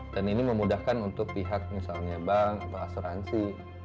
dan ini memudahkan untuk pihak misalnya bank atau asuransi